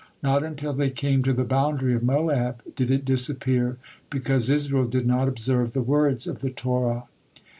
Not until they came to the boundary of Moab did it disappear, because Israel did not observe the words of the Torah."